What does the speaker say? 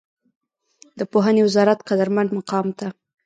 د پوهنې وزارت قدرمن مقام ته